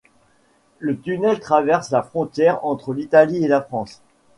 Le tunnel traverse la frontière entre l’Italie et la France.